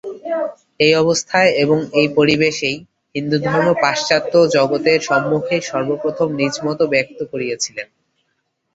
এই অবস্থায় এবং এই পরিবেশেই হিন্দুধর্ম পাশ্চাত্য জগতের সম্মুখে সর্বপ্রথম নিজমত ব্যক্ত করিয়াছিল।